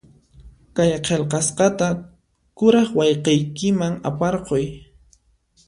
Kay qillqasqata kuraq wayqiykiman aparquy.